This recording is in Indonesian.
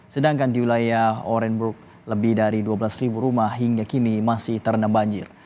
sedangkan di wilayah orenburg lebih dari dua belas rumah hingga kini masih terendam banjir